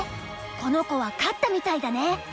この子は勝ったみたいだね。